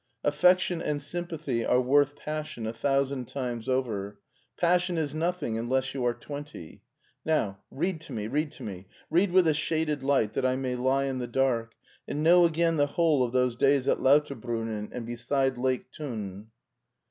Affection and sympathy are worth passion a thousand times over; passion is nothing unless you are twenty. Now read to me, read to me; read with a shaded light that I may lie in the dark, and know again the whole of those days at Lauterbrunnen and beside Lake Thun."